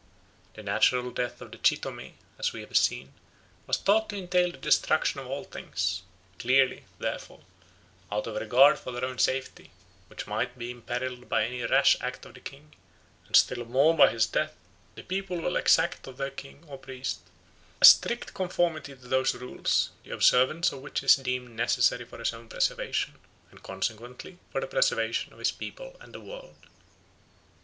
The natural death of the Chitomé, as we have seen, was thought to entail the destruction of all things. Clearly, therefore, out of a regard for their own safety, which might be imperilled by any rash act of the king, and still more by his death, the people will exact of their king or priest a strict conformity to those rules, the observance of which is deemed necessary for his own preservation, and consequently for the preservation of his people and the world.